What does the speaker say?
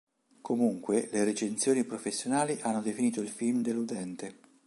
Comunque le recensioni professionali hanno definito il film deludente.